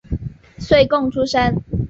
岁贡出身。